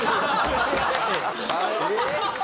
えっ？